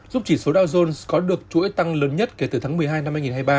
giúp chỉ số dow jones có được chuỗi tăng lớn nhất kể từ tháng một mươi hai năm hai nghìn hai mươi ba